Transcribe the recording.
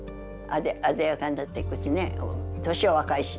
あでやかになっていくしね年は若いし。